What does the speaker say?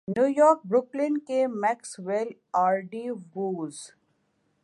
new York Brooklyn کے Maxwell آرڈی was